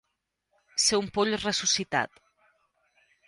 Ser un poll ressuscitat.